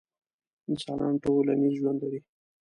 انسانان ټولنیز چلند لري،